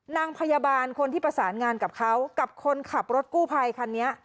นางพยาบาลคนที่ประสานงานกับเขากับคนขับรถกู้ภัยคันนี้